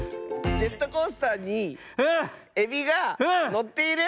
ジェットコースターにエビがのっている？